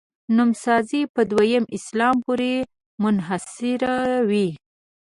نوسازي په دویم اسلام پورې منحصروي.